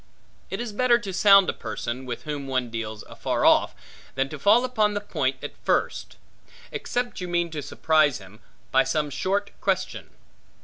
It is better to sound a person, with whom one deals afar off, than to fall upon the point at first; except you mean to surprise him by some short question.